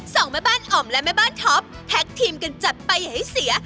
สองแม่บ้านอ๋อมและแม่บ้านท็อปแท็กทีมกันจัดไปให้เสีย